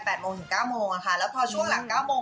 โมงถึงเก้าโมงอ่ะค่ะแล้วพอช่วงหลังเก้าโมง